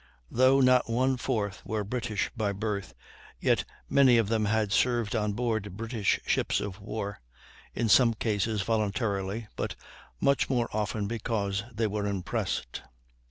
Though not one fourth were British by birth, yet many of them had served on board British ships of war, in some cases voluntarily, but much more often because they were impressed.